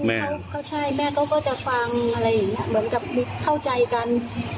แม่ก็จะฟังเข้าใจกัน